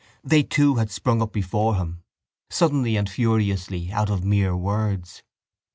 They too had sprung up before him, suddenly and furiously, out of mere words.